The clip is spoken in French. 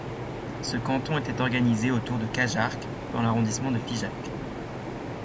Ce canton était organisé autour de Cajarc dans l'arrondissement de Figeac.